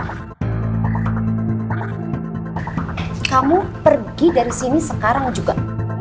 kamu pergi dari sini sekarang juga